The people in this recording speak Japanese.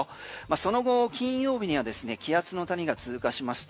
その後金曜日には気圧の谷が通過しますと